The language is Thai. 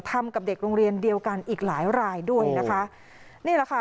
ทำกับเด็กโรงเรียนเดียวกันอีกหลายรายด้วยนะคะนี่แหละค่ะ